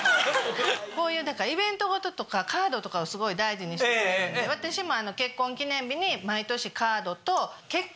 こういうイベント事とかカードとかをすごい大事にしてくれるので私も。